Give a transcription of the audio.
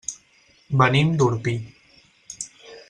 Venim d'Orpí.